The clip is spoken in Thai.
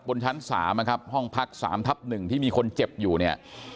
บนชั้น๓นะครับห้องพัก๓ทับ๑ที่มีคนเจ็บอยู่เนี่ย